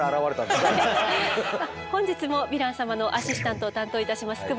本日もヴィラン様のアシスタントを担当いたします久保田です。